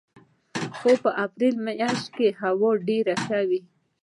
خو په فبروري میاشت کې هوا ډېره ښه وه.